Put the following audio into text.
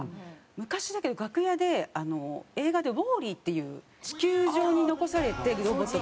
昔だけど楽屋であの映画で『ウォーリー』っていう地球上に残されてロボットが。